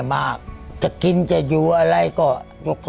ผมอยากจะหารถสันเร็งสักครั้งนึงคือเอาเอาหมอนหรือที่นอนอ่ะมาลองเขาไม่เจ็บปวดครับ